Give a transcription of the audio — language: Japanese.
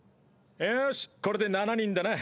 よしこれで７人だな。